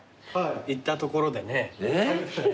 行ったところでね。